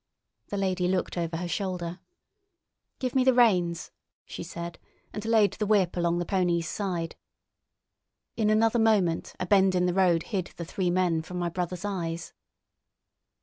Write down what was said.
The lady looked over her shoulder. "Give me the reins," she said, and laid the whip along the pony's side. In another moment a bend in the road hid the three men from my brother's eyes.